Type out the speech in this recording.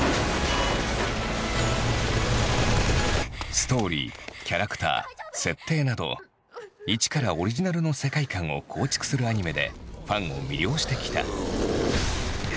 ストーリーキャラクター設定など一からオリジナルの世界観を構築するアニメでファンを魅了してきた。